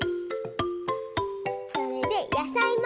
それでやさいも。